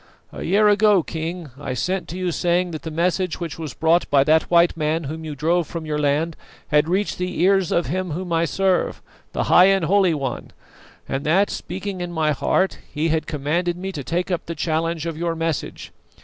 A year ago, King, I sent to you saying that the message which was brought by that white man whom you drove from your land had reached the ears of Him whom I serve, the High and Holy One, and that, speaking in my heart, He had commanded me to take up the challenge of your message.